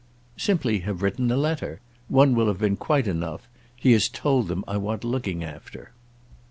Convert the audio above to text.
"Simply have written a letter. One will have been quite enough. He has told them I want looking after."